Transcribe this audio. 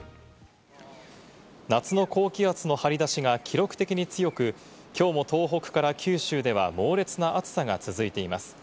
夏の高気圧の張り出しが記録的に強く、きょうも東北から九州では猛烈な暑さが続いています。